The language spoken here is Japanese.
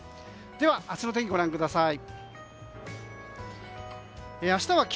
では、明日の天気ご覧ください。